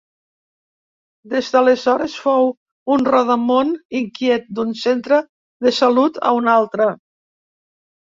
Des d'aleshores fou un rodamón inquiet, d'un centre de salut a un altre.